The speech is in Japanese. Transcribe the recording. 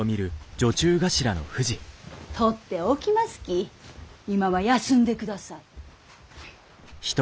取っておきますき今は休んでください。